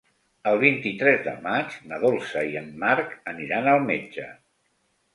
El vint-i-tres de maig na Dolça i en Marc aniran al metge.